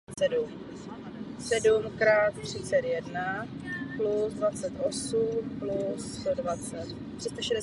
Dvě třetiny lidí se cítí neinformovaní.